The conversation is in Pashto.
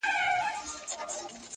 د رڼا لمن خپره سي بیا تیاره سي-